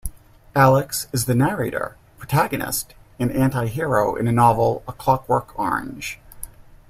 Alex is the narrator, protagonist and antihero in the novel "A Clockwork Orange".